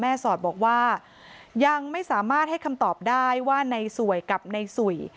สอดบอกว่ายังไม่สามารถให้คำตอบได้ว่าในสวยกับในสุย